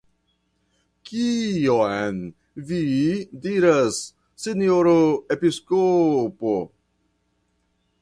Kion vi diras, sinjoro episkopo?